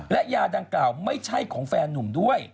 และยาดังกล่าวไม่ใช่ของแฟนนุ่มด้วย